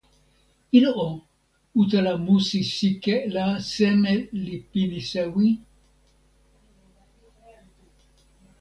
ilo o, utala musi sike la seme li pini sewi?